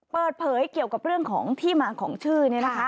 เปิดเผยเกี่ยวกับเรื่องของที่มาของชื่อ